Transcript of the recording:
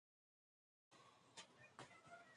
Rogers began to play football at the age of six.